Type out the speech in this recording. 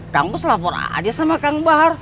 kamu selapor aja sama kang bahar